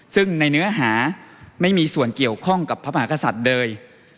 ซึ่งในเนื้อหาไม่มีส่วนเกี่ยวข้องกับพระมหากษัตริย์โดย